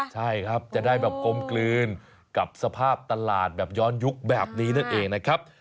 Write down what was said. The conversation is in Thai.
ใช่ครับจะได้แบบกลมกลืนกับสภาพตลาดแบบย้อนยุคแบบนี้นั่นเองนะครับ